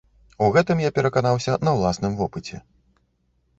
У гэтым я пераканаўся на ўласным вопыце.